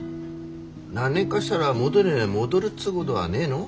何年がしたら元に戻るっつうごどはねえの？